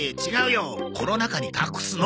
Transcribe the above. この中に隠すの。